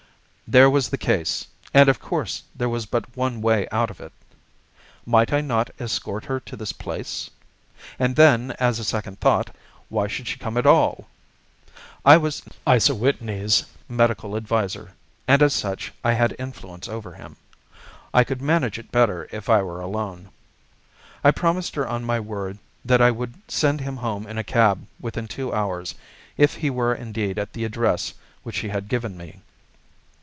There was the case, and of course there was but one way out of it. Might I not escort her to this place? And then, as a second thought, why should she come at all? I was Isa Whitney's medical adviser, and as such I had influence over him. I could manage it better if I were alone. I promised her on my word that I would send him home in a cab within two hours if he were indeed at the address which she had given me.